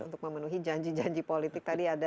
untuk memenuhi janji janji politik tadi ada